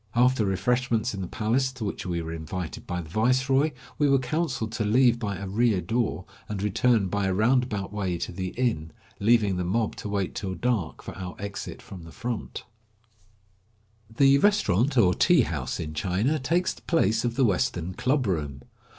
After refreshments in the palace, to which we were invited by the viceroy, we were counseled to leave by a rear door, and return by a roundabout way to the inn, leaving the mob to wait till dark for our exit from the front. A BANK IN URUMTSI. The restaurant or tea house in China takes the place of the Western club room.